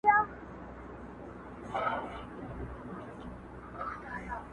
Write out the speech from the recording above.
لوڅ لپړ پاچا روان لكه اشا وه .!